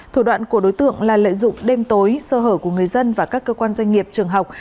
thủ đoạn của đối tượng là lợi dụng đêm tối sơ hở của người dân và các cơ quan doanh nghiệp trường học